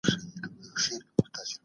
څېړونکي به د څېړني لاري ولټوي.